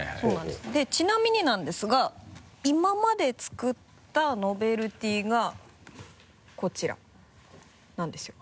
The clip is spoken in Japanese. でちなみになんですが今まで作ったノベルティがこちらなんですよ。